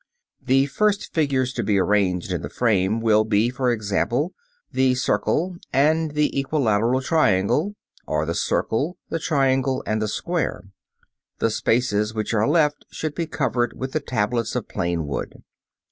The first figures to be arranged in the frame will be, for example, the circle and the equilateral triangle, or the circle, the triangle and the square. The spaces which are left should be covered with the tablets of plain wood.